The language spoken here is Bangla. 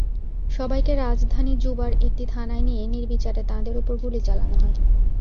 সবাইকে রাজধানী জুবার একটি থানায় নিয়ে নির্বিচারে তাঁদের ওপর গুলি চালানো হয়।